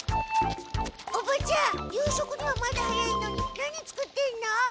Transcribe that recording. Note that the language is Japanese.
おばちゃん夕食にはまだ早いのに何作ってんの？